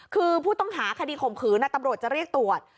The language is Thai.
คือผู้ต้องหาคดีข่มขืนตำรวจจะเรียกตรวจ